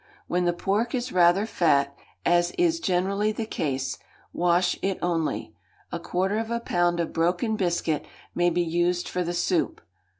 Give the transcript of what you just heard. When the pork is rather fat, as is generally the case, wash it only; a quarter of a pound of broken biscuit may be used for the soup.